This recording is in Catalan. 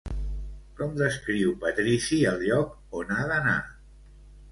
Com descriu Patrici el lloc on ha d'anar?